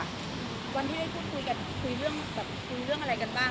วันที่ได้พูดคุยกันคุยเรื่องอะไรกันบ้าง